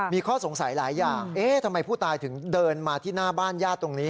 มีข้อสงสัยหลายอย่างเอ๊ะทำไมผู้ตายถึงเดินมาที่หน้าบ้านญาติตรงนี้